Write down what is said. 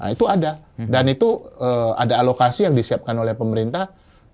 itu ada dan itu ada alokasi yang disiapkan oleh pemerintah